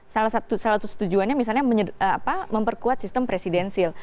salah satu tujuannya misalnya memperkuat sistem presidensil